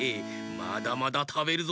まだまだたべるぞ！